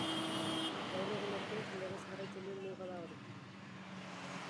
Gaur egun arte legez jarraitzen duen muga da hori.